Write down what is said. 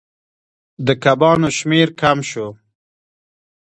د کبانو شمیر کم شو.